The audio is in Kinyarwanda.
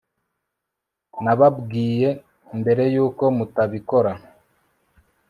Nababwiye mbere yuko mutabikora